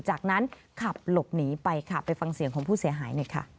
จากนั้นขับหลบหนีไปค่ะไปฟังเสียงของผู้เสียหายหน่อยค่ะ